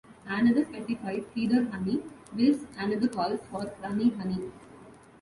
Another specifies heather honey, whilst another calls for "runny honey"